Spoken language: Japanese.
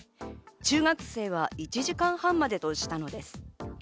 中学生は１時間半までとしたのです。